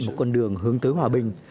một con đường hướng tới hòa bình